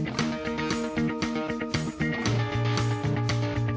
น้ำจีนเนี่ย๓น้ำยาอยู่ข้างหน้าเลยมี